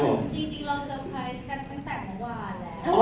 จริงเราเซอร์ไพรส์กันตั้งแต่เมื่อวานแล้ว